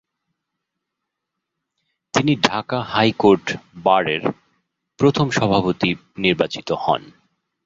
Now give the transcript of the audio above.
তিনি ঢাকা হাইকোর্ট বারের প্রথম সভাপতি নির্বাচিত হন।